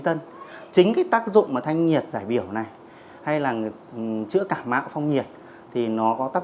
tân chính cái tác dụng mà thanh nhiệt giải biểu này hay là chữa cả mạng phong nhiệt thì nó có tác